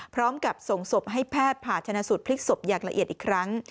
พร้อมกับส่งศพให้แพทย์ผ่าชนะสูตรพลิกศพอย่างละเอียดอีกครั้ง